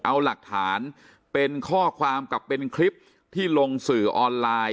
เอาหลักฐานเป็นข้อความกับเป็นคลิปที่ลงสื่อออนไลน์